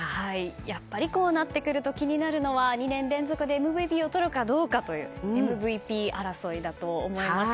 やっぱりこうなってくると気になるのは２年連続でＭＶＰを取るかどうかのＭＶＰ争いだと思います。